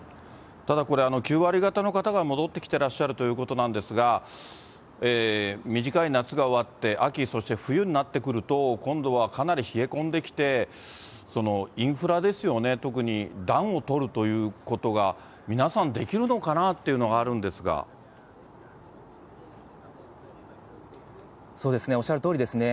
ただ、これ、９割方の方が戻ってきてらっしゃるということなんですが、短い夏が終わって、秋、そして冬になってくると、今度はかなり冷え込んできて、インフラですよね、特に、暖をとるということが、皆さんできるのかなっていうのがあるんでおっしゃるとおりですね。